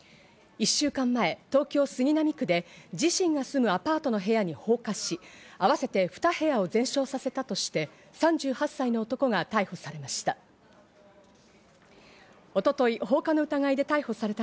１週間前、東京・杉並区で、人身が住むアパートの部屋に放火し、あわせて２部屋を全焼させたとして、３８歳の男が逮捕されました。